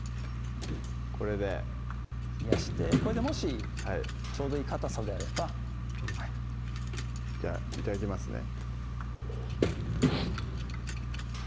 これで冷やしてこれでもしちょうどいいかたさであればじゃあ頂きますね